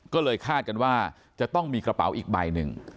ก็เลยคาดกันว่าจะต้องมีกระเป๋าอีกใบหนึ่ง